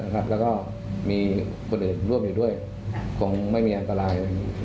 แล้วก็มีคนอื่นร่วมอยู่ด้วยคงไม่มีอันตราย